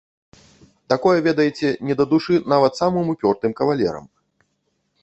Такое, ведаеце, не да душы нават самым упёртым кавалерам.